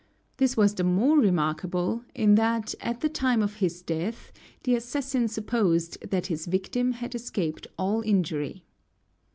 This was the more remarkable in that, at the time of his death, the assassin supposed that his victim had escaped all injury.